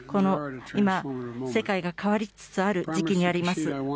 今、世界が変わりつつある時期にあります。